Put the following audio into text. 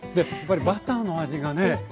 やっぱりバターの味がね